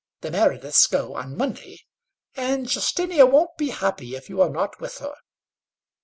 The Merediths go on Monday; and Justinia won't be happy if you are not with her."